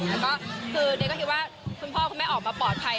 แล้วก็คือเดียก็คิดว่าคุณพ่อคุณแม่ออกมาปลอดภัย